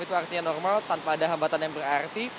itu artinya normal tanpa ada hambatan yang berarti